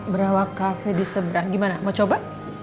berawak cafe diseberang gimana mau coba